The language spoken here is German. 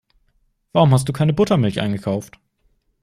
Warum hast du keine Buttermilch eingekauft?